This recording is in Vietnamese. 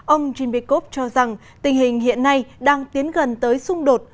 ông dmbiekov cho rằng tình hình hiện nay đang tiến gần tới xung đột